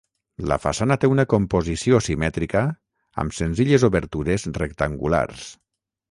La façana té una composició simètrica amb senzilles obertures rectangulars.